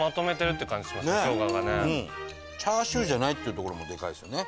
チャーシューじゃないっていうところもでかいですよね。